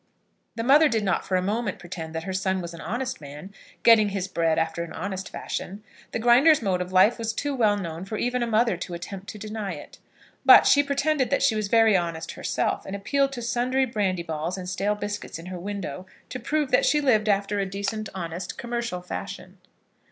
The mother did not for a moment pretend that her son was an honest man, getting his bread after an honest fashion. The Grinder's mode of life was too well known for even a mother to attempt to deny it. But she pretended that she was very honest herself, and appealed to sundry brandy balls and stale biscuits in her window, to prove that she lived after a decent, honest, commercial fashion.